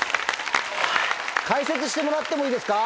解説してもらってもいいですか？